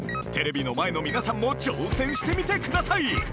テレビの前の皆さんも挑戦してみてください。